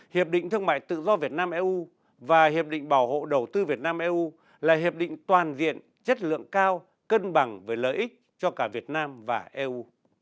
hiệp định thương mại tự do việt nam eu và hiệp định bảo hộ đầu tư việt nam eu là hiệp định toàn diện chất lượng cao cân bằng với lợi ích cho cả việt nam và eu